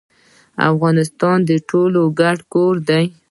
افغانستان د ټولو ګډ کور دی